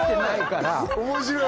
面白い！